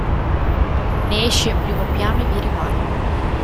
Ne esce in primo piano e vi rimane".